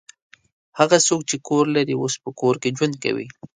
هغه څوک چې کور لري اوس په کور کې ژوند کوي.